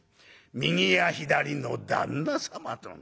右や左の旦那様』と」。